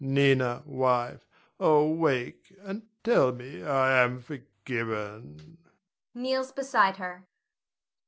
Nina, wife, oh, wake and tell me I am forgiven! [_Kneels beside her.